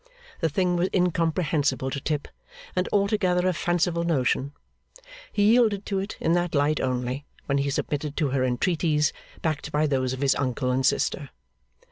The thing was incomprehensible to Tip, and altogether a fanciful notion. He yielded to it in that light only, when he submitted to her entreaties, backed by those of his uncle and sister.